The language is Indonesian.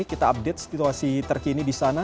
kita update situasi terkini di sana